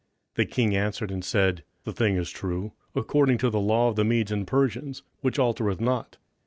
The king answered and said, The thing is true, according to the law of the Medes and Persians, which altereth not.